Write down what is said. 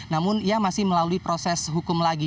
namun ia masih melalui proses hukum lagi